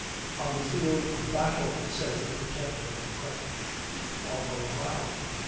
"On the field of battle," says the Pretender in French. Marlborough bowed.